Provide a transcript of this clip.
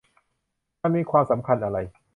มันมีความสำคัญอะไร ?